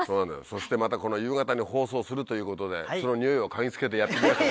そしてまたこの夕方に放送するということでそのにおいを嗅ぎつけてやって来ました